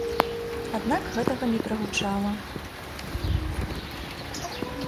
Аднак гэтага не прагучала.